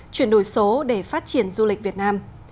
chuyển đổi số để phát triển du lịch việt nam